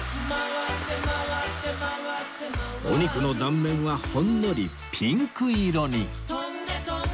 お肉の断面はほんのりピンク色に